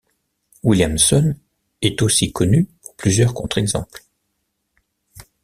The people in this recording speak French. Williamson est aussi connu pour plusieurs contre-exemples.